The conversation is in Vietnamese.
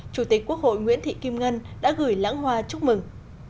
chủ tịch quốc hội nguyễn thị kim ngân đã gửi lãng hoa chúc mừng